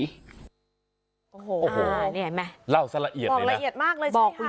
โอ้โหนี่เห็นไหมเล่าซะละเอียดเลยนะบอกละเอียดมากเลยใช่ไหมค่ะ